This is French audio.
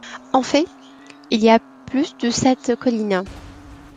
En fait, il y a plus de sept collines.